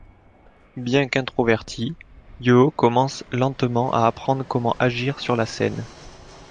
Bien qu'introverti, Yoo commence lentement à apprendre comment agir sur la scène.